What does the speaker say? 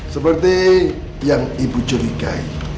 seperti yang ibu curigai